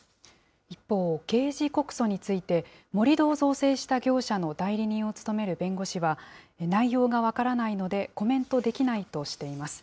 一方、刑事告訴について、盛り土を造成した業者の代理人を務める弁護士は、内容が分からないので、コメントできないとしています。